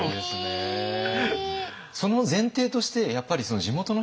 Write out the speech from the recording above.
その前提としてやっぱりその地元の人がね